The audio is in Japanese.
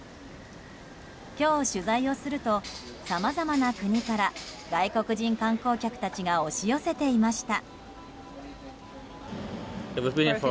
今日取材をするとさまざまな国から外国人観光客たちが押し寄せていました。